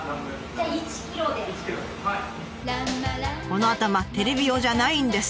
この頭テレビ用じゃないんです。